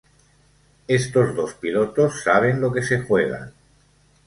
Estos dos pilotos saben lo que se juegan.